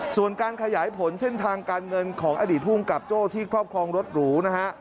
ส่วนการขยายผลเส้นทางการเงินของอดีตภูมิกับโจ้ที่ครอบครองรถหรูนะฮะ